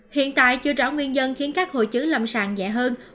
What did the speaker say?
hiện tại chưa rõ nguyên dân khiến các hội chứng lâm sàng nhẹ hơn